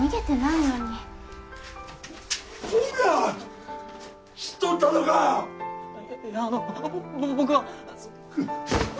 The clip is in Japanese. いやあのぼ僕は。